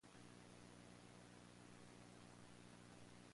This can help in the diagnosis.